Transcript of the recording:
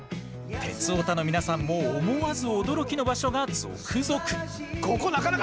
鉄オタの皆さんも思わず驚きの場所が続々。